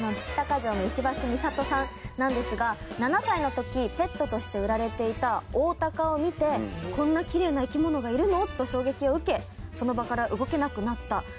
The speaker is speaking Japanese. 鷹匠の石橋美里さんなんですが７歳の時ペットとして売られていた大鷹を見てこんなきれいな生き物がいるのと衝撃を受けその場から動けなくなった。